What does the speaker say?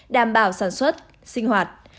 đảm bảo sản xuất sinh hoạt